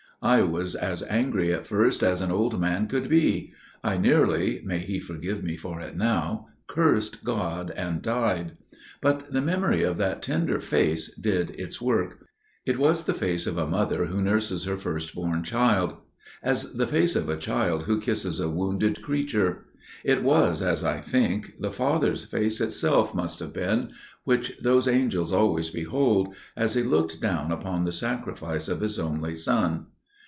"I was as angry at first as an old man could be. I nearly (may He forgive me for it now!) cursed God and died. But the memory of that tender face did its work. It was as the face of a mother who nurses her first born child, as the face of a child who kisses a wounded creature, it was as I think the Father's Face itself must have been, which those angels always behold, as He looked down upon the Sacrifice of His only Son.